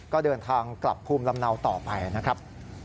ก็เดินทางกลับภูมิลำเนาต่อไปนะครับ